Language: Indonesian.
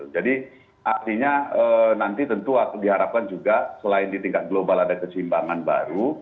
jadi artinya nanti tentu diharapkan juga selain di tingkat global ada keseimbangan baru